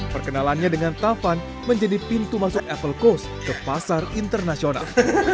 perkenalannya dengan tavan menjadi pintu masuk apple coast ke pasar internasional